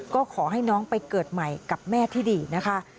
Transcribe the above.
ก็ขอให้น้องไปเกิดใหม่กับแม่ที่ดีนะคะ